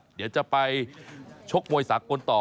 เดี๋ยวจะไปชกมวยสากลต่อ